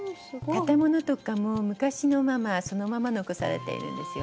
建物とかも昔のままそのまま残されているんですよ。